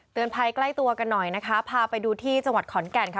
ภัยใกล้ตัวกันหน่อยนะคะพาไปดูที่จังหวัดขอนแก่นค่ะ